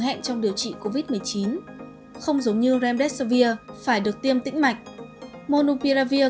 hẹn trong điều trị covid một mươi chín không giống như remdeservir phải được tiêm tĩnh mạch monupiravir